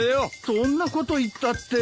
そんなこと言ったって。